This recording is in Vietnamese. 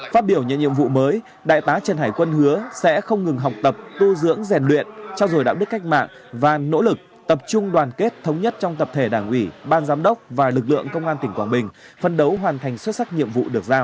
phát biểu nhận nhiệm vụ mới đại tá trần hải quân hứa sẽ không ngừng học tập tu dưỡng rèn luyện trao dồi đạo đức cách mạng và nỗ lực tập trung đoàn kết thống nhất trong tập thể đảng ủy ban giám đốc và lực lượng công an tỉnh quảng bình phân đấu hoàn thành xuất sắc nhiệm vụ được giao